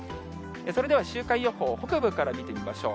それでは週間予報、北部から見てみましょう。